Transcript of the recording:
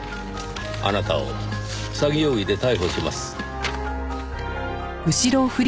あなたを詐欺容疑で逮捕します。